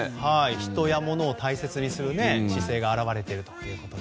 人や物を大切にする姿勢が表れているという。